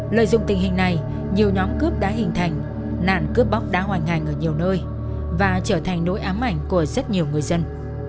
lợi dụng tình hình này nhiều nhóm cướp đã hình thành nạn cướp bóc đã hoành hành ở nhiều nơi và trở thành nỗi ám ảnh của rất nhiều người dân